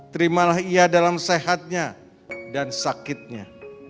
terimalah ia dalam sehatnya dan sakitnya